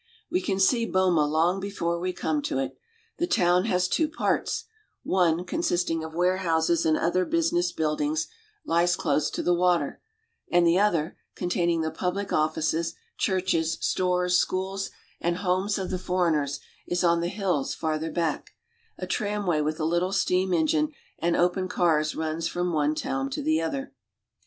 We can see Boma long before we come to it. The town has two parts; one, consisting of warehouses and other business buildings, lies close to the water ; and the other, containing the public offices, churches, stores, schools, and homes of the foreigners, is on the hills farther back, A tramway with a little steam engine and open cars runs from one town to the other.